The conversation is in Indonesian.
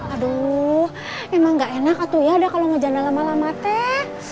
aduh emang nggak enak tuh ya kalau ngejalan lama lama teh